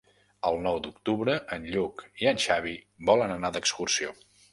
El nou d'octubre en Lluc i en Xavi volen anar d'excursió.